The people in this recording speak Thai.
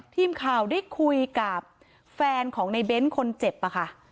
ทีมข่าวได้คุยกับแฟนของในเบ้นคนเจ็บค่ะ